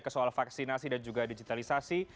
ke soal vaksinasi dan juga digitalisasi